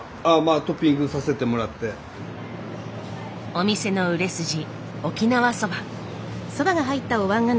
お店の売れ筋沖縄そば。